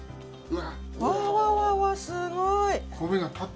わあわあすごい！